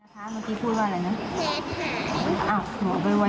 สีชมพู